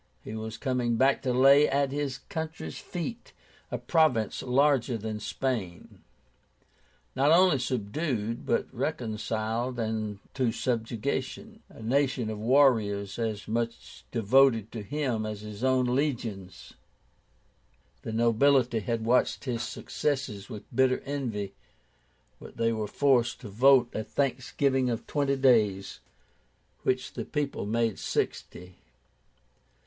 "He was coming back to lay at his country's feet a province larger than Spain, not only subdued, but reconciled to subjugation; a nation of warriors, as much devoted to him as his own legions." The nobility had watched his successes with bitter envy; but they were forced to vote a thanksgiving of twenty days, which "the people made sixty."